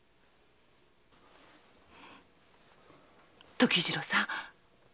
時次郎さん。